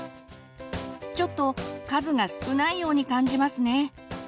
ちょっと数が少ないように感じますね。